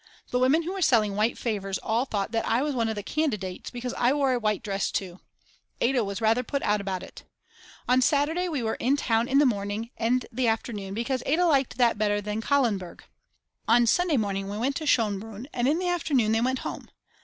The women who were selling white favours all thought that I was one of the candidates because I wore a white dress too. Ada was rather put out about it. On Saturday we were in town in the morning and afternoon because Ada liked that better than the Kahlenberg; on Sunday morning we went to Schonbrunn and in the afternoon they went home.